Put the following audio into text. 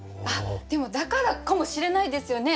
でもだからかもしれないですよね。